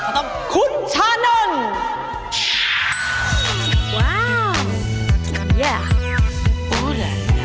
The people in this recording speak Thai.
ต้องคุณชานนท์